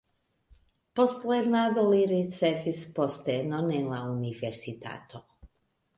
Post lernado li ricevis postenon en la universitato.